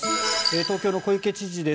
東京の小池知事です。